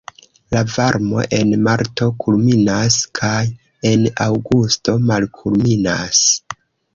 La varmo en marto kulminas kaj en aŭgusto malkulminas.